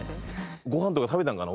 ごはんとか食べたのかな？